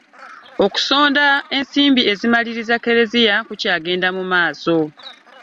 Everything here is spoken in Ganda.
Okusonda ensimbi ezimaliriza ekkereziya kukyagenda mu maaso.